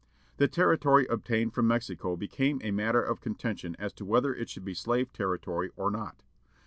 The territory obtained from Mexico became a matter of contention as to whether it should be slave territory or not.